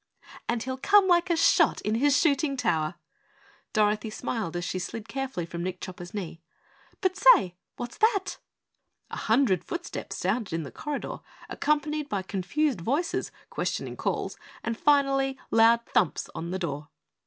"And he'll come like a shot in his shooting tower," Dorothy smiled as she slid carefully from Nick Chopper's knee. "But, say what's that?" A hundred footsteps sounded in the corridor, accompanied by confused voices, questioning calls and finally loud thumps on the door.